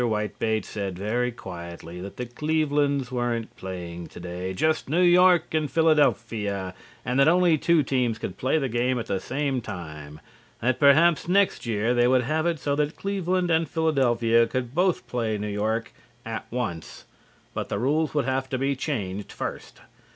Whitebait said very quietly that the Clevelands weren't playing to day, just New York and Philadelphia and that only two teams could play the game at the same time, that perhaps next year they would have it so that Cleveland and Philadelphia could both play New York at once but the rules would have to be changed first.